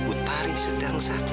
otari sedang sakit